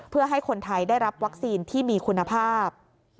เพื่อให้คนไทยได้รับวัคซีนที่มีคุณภาพ